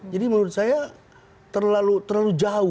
jadi menurut saya terlalu jauh